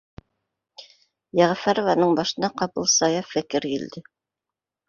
Йәғәфәрованың башына ҡапыл сая фекер килде